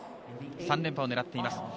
３連覇を狙っています。